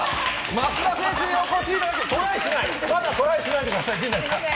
松田選手にお越しいただく、トライじゃない、まだトライしないでください、陣内さん。